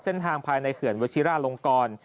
เส้นทางภายในเขื่อนวชิราลงกร